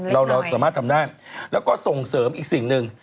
เราสามารถทำได้แล้วก็ส่งเสริมอีกสิ่งหนึ่ง